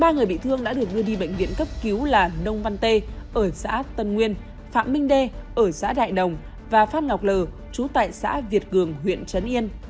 nông văn tê ở xã đại đồng và phan ngọc lờ trú tại xã việt cường huyện trấn yên